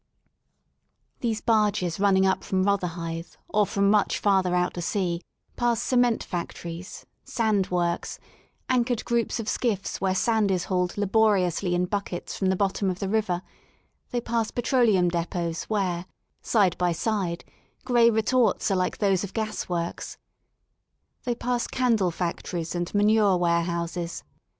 These barges running up from Rotherhithe or from much farther out to sea, pass cement factories^ sand works, anchored groups of skiffs where sand is hauled laboriously in buckets from the bottom of the river; they pass petroleum depots where, side by side, gray retorts are like those of gas works j they pass candle factories and manure warehouses.